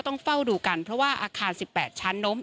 ต้องเฝ้าดูกันเพราะว่าอาคาร๑๘ชั้นล้ม